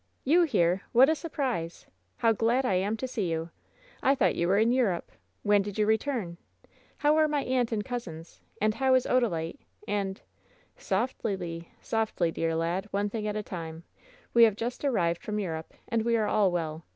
"You here ! What a surprise ! How glad I am to see you ! I thought you were in Europe. When did you re , turn ? How are my aunt and cousins ? And how is Oda lite? And " "Softly, Le. Softly, dear lad. One thing at a time. We have just arrived from Europe, and we are all well.